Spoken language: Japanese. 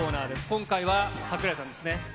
今回は櫻井さんですね。